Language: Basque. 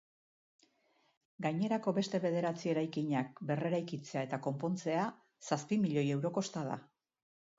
Gainerako beste bederatzi eraikinak berreraikitzea eta konpontzea zazpi milioi euro kosta da.